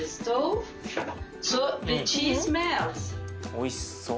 おいしそ。